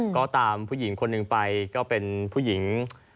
ก็ตามผู้หญิงคนหนึ่งไปก็เป็นผู้หญิง